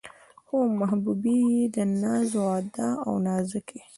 خو محبوبې يې د ناز و ادا او نازکۍ